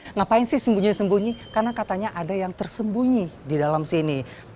nggak apa apa sih sembunyi sembunyi karena katanya ada yang tersembunyi di dalam sini